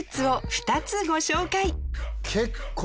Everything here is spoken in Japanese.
２つご紹介